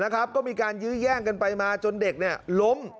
ก็มีการยื้อแย่งกันไปมาจนเด็กล้ม